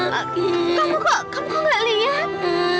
kamu kamu gak lihat